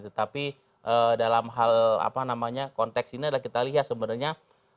tetapi dalam hal apa namanya konteks ini adalah kita lihat sebenarnya